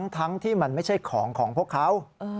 ทั้งที่มันไม่ใช่ของของพวกเขา